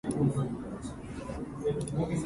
十三駅